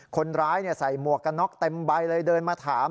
คนร้ายใส่หมวกกันน็อกเต็มใบเลยเดินมาถาม